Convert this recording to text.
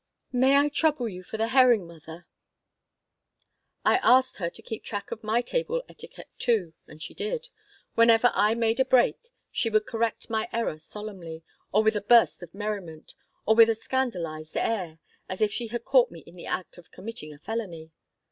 "May I trouble you for the herring, mother?" I asked her to keep track of my table etiquette, too, and she did. Whenever I made a break she would correct my error solemnly, or with a burst of merriment, or with a scandalized air, as if she had caught me in the act of committing a felony.